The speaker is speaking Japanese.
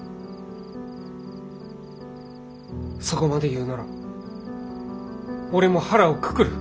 そこまで言うなら俺も腹をくくる。